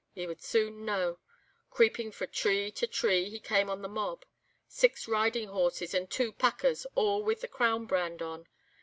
He would soon know. Creeping frae tree to tree, he came on the mob. Six riding horses, and two 'packers' all with the Crown brand on.